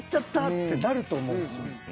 ってなると思うんですよ。